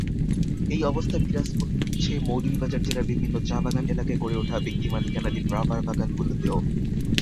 একই অবস্থা বিরাজ করছে মৌলভীবাজার জেলার বিভিন্ন চা-বাগান এলাকায় গড়ে ওঠা ব্যক্তিমালিকানাধীন রাবারবাগানগুলোতেও।